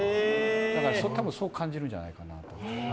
だから多分そう感じるんじゃないかと。